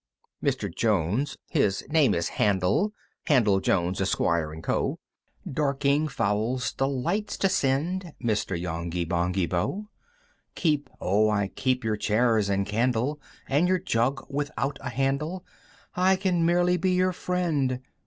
VI. "Mr. Jones (his name is Handel, "Handel Jones, Esquire, & Co.) "Dorking fowls delights to send, "Mr. Yonghy Bonghy Bò! "Keep, oh I keep your chairs and candle, "And your jug without a handle, "I can merely be your friend!